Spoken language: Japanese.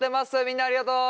みんなありがとう。